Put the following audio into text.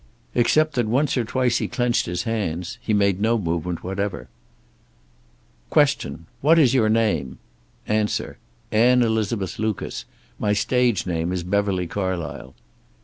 Except that once or twice he clenched his hands he made no movement whatever. Q. "What is your name?" A. "Anne Elizabeth Lucas. My stage name is Beverly Carlysle."